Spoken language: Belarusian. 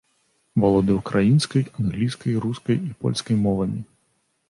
Валодае украінскай, англійскай, рускай і польскай мовамі.